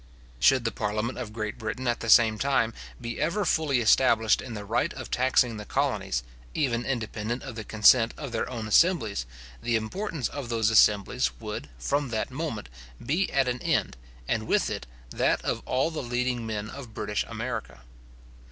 Should the parliament of Great Britain, at the same time, be ever fully established in the right of taxing the colonies, even independent of the consent of their own assemblies, the importance of those assemblies would, from that moment, be at an end, and with it, that of all the leading men of British America.